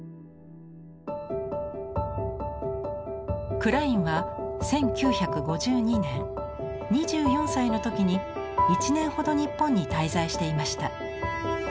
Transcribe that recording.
クラインは１９５２年２４歳の時に１年ほど日本に滞在していました。